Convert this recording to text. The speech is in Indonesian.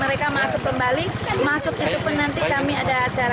mereka masuk kembali masuk itu pun nanti kami ada acara